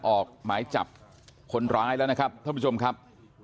ออกหมายจับคนร้ายแล้วนะครับท่านผู้ชมครับ